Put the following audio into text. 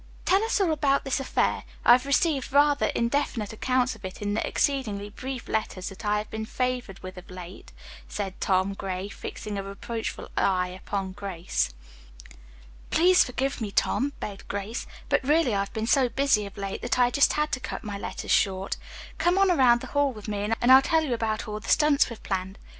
"Tell us all about this affair. I received rather indefinite accounts of it in the exceedingly brief letters that I have been favored with of late," said Tom Gray, fixing a reproachful eye upon Grace. "Please forgive me, Tom," begged Grace, "but really I've been so busy of late that I just had to cut my letters short. Come on around the hall with me, and I'll tell you about all the stunts we've planned.